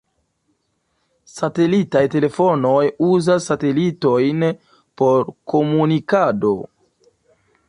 Satelitaj telefonoj uzas satelitojn por komunikado.